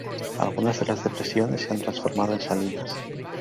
Algunas de las depresiones se han transformado en salinas.